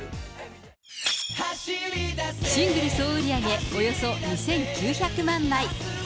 シングル総売り上げおよそ２９００万枚。